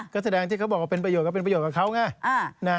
ก็แสดงที่เขาบอกว่าเป็นประโยชนก็เป็นประโยชนกับเขาไง